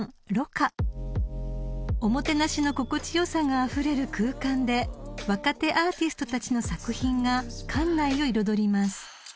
［おもてなしの心地よさがあふれる空間で若手アーティストたちの作品が館内を彩ります］